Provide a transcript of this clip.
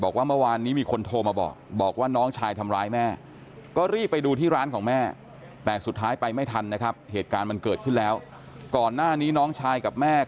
บอกว่าเมื่อวานนี้มีคนโทรมาบอกบอกว่าน้องชายทำร้ายแม่